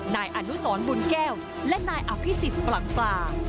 นายอนุสรบุญแก้วและนายอภิษฎปลั่งปลา